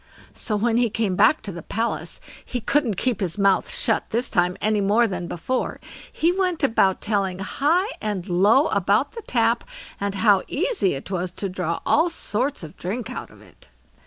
So when he came back to the palace, he couldn't keep his mouth shut this time any more than before; he went about telling high and low about the tap, and how easy it was to draw all sorts of drink out of it.